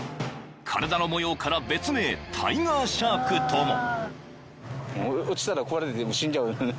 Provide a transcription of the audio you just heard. ［体の模様から別名タイガーシャークとも］